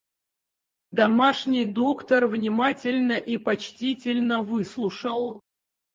Домашний доктор внимательно и почтительно выслушал.